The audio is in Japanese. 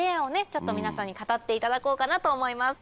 ちょっと皆さんに語っていただこうかなと思います。